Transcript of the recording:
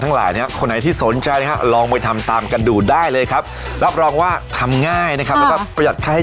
ฮือฮือฮือฮือฮือ